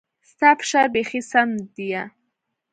ستا فشار بيخي سم ديه.